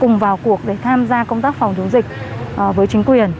cùng vào cuộc để tham gia công tác phòng chống dịch với chính quyền